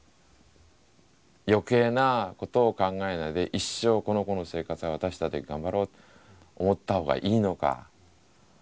余計なことを考えないで一生この子の生活は私たちで頑張ろう思った方がいいのか。